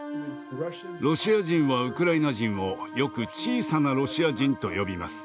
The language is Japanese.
ロシア人はウクライナ人をよく「小さなロシア人」と呼びます。